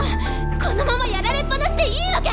このままやられっぱなしでいいわけ！？